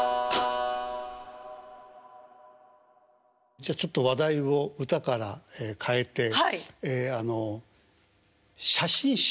じゃあちょっと話題を歌から変えてあの写真集。